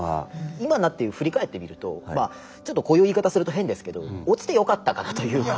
今になって振り返ってみるとちょっとこういう言い方すると変ですけど落ちてよかったかなというか。